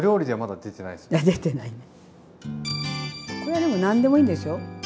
これでも何でもいいんですよ。